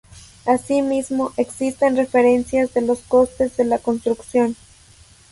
Asimismo, existen referencias de los costes de la construcción.